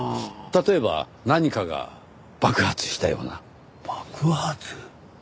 例えば何かが爆発したような。爆発？